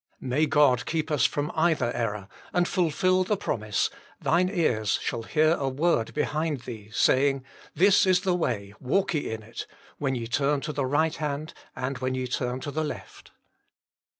May God keep us from either error, and fulfil the promise, " Thine ears shall hear a word behind thee, saying, This is the way, walk ye in it, when ye turn to the right hand, and when ye turn to the left."